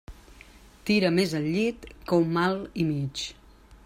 Tira més el llit que un mal i mig.